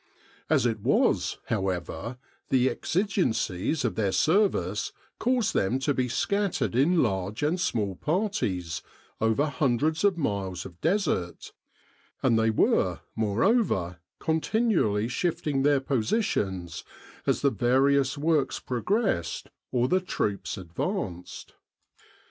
As it was, however, the exigencies of their service caused them to be scattered in large and small parties, over hundreds of miles of desert ; and they were, moreover, continually shifting their positions as the various works progressed or the troops advanced.